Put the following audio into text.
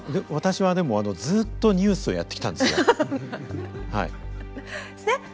私はでもずっとニュースをやってきたんですよ。